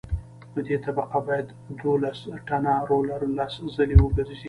په دې طبقه باید دولس ټنه رولر لس ځله وګرځي